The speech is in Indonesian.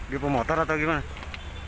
dia pemotor atau gimana